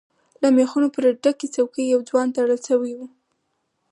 له ميخونو پر ډکې څوکی يو ځوان تړل شوی و.